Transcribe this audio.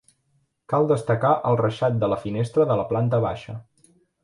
Cal destacar el reixat de la finestra de la planta baixa.